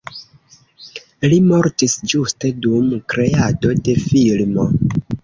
Li mortis ĝuste dum kreado de filmo.